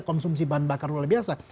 konsumsi bahan bakar luar biasa